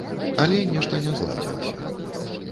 Але нешта не зладзілася.